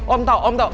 om tau om tau